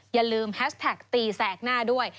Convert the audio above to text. อย่าลืมแฮชแท็กตีแสกหน้าด้วย